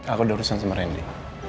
aku udah urusan sama randy